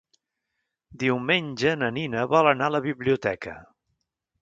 Diumenge na Nina vol anar a la biblioteca.